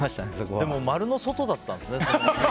でも、丸の外だったんですね。